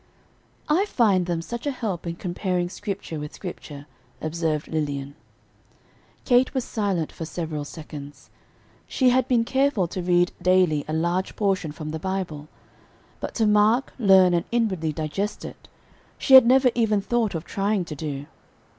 "I find them such a help in comparing Scripture with Scripture," observed Lilian. Kate was silent for several seconds. She had been careful to read daily a large portion from the Bible; but to "mark, learn, and inwardly digest it," she had never even thought of trying to do.